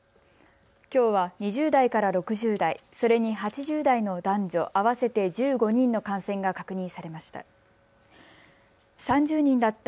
きょうは２０代から６０代、それに８０代の男女合わせて１５人の感染が確認されました。